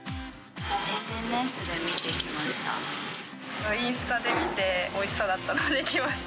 ＳＮＳで見て来ました。